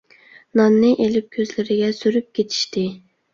ناننى ئېلىپ كۆزلىرىگە سۈرۈپ كېتىشتى.